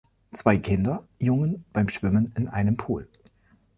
Zwei Kinder, Jungen, beim Schwimmen in einem Pool.